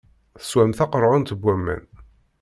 Teswam taqeṛɛunt n waman.